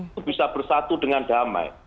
itu bisa bersatu dengan damai